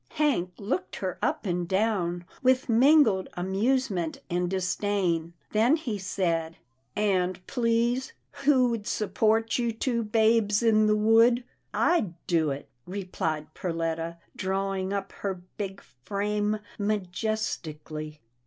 Hank looked her up and down, with mingled amusement and disdain. Then he said, " And please, who would support you two babes in the wood ?"" I'd do it," replied Perletta, drawing up her big frame majestically.